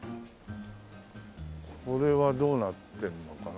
これはどうなってるのかな？